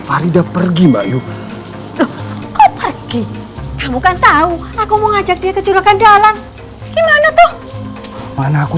faridah pergi mbak yuh kau pergi kamu kan tahu aku mau ajak dia ke juragan dalam gimana tuh mana aku